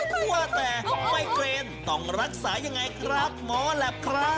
ว่าแต่ไมเกรนต้องรักษายังไงครับหมอแหลปครับ